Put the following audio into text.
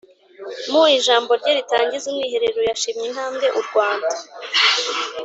Mu ijambo rye ritangiza Umwiherero yashimye intambwe u Rwanda